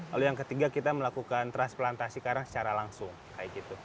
lalu yang ketiga kita melakukan transplantasi karang secara langsung kayak gitu